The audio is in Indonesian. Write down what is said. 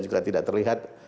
juga tidak terlihat